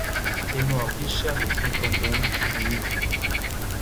Emañ ar vicher o sankañ don, eme unan.